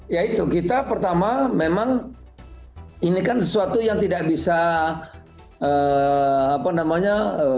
ya itu kita pertama memang ini kan sesuatu yang tidak bisa apa namanya